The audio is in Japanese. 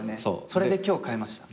それで今日買いました。